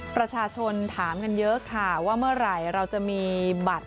ประชาชนถามกันเยอะค่ะว่าเมื่อไหร่เราจะมีบัตร